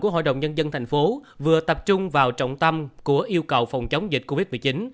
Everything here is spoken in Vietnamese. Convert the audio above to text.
của hội đồng nhân dân thành phố vừa tập trung vào trọng tâm của yêu cầu phòng chống dịch covid một mươi chín